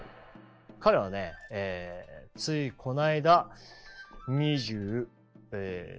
彼はねついこの間２３歳。